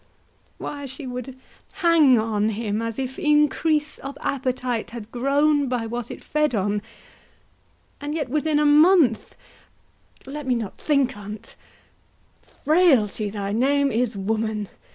Why, she would hang on him As if increase of appetite had grown By what it fed on; and yet, within a month— Let me not think on't—Frailty, thy name is woman!